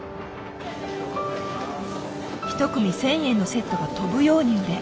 １組１，０００円のセットが飛ぶように売れ